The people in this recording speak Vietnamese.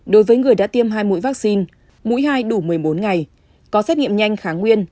đối với người đã tiêm hai mũi vaccine mũi hai đủ một mươi bốn ngày có xét nghiệm nhanh kháng nguyên